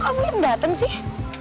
kok kamu yang dateng sih